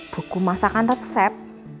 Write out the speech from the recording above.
buku masakan resep